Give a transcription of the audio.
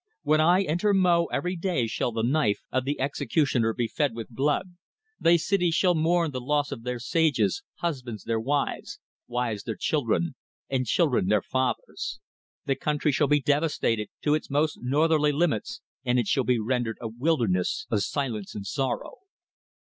When I enter Mo every day shall the knife of the executioner be fed with blood; thy cities shall mourn the loss of their sages, husbands their wives, wives their children, and children their fathers. The country shall be devastated to its most northerly limits and it shall be rendered a wilderness of silence and sorrow."